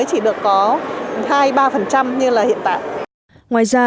thứ hai là về mặt con người